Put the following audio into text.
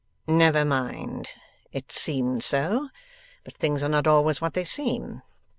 'Never mind. It seemed so, but things are not always what they seem.